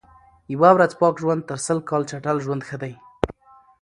یوه ورځ پاک ژوند تر سل کال چټل ژوند ښه دئ.